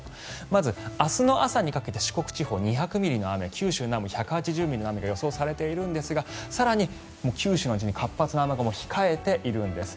まず明日の朝にかけて四国地方、２００ミリの雨九州南部、１８０ミリの雨が予想されているんですが更に九州の西に活発な雨雲が控えているんです。